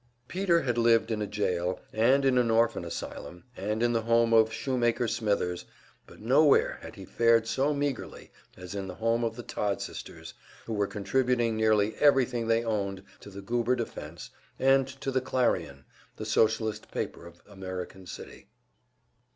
Peter had lived in a jail, and in an orphan asylum, and in the home of Shoemaker Smithers, but nowhere had he fared so meagerly as in the home of the Todd sisters, who were contributing nearly everything they owned to the Goober defense, and to the "Clarion," the Socialist paper of American City.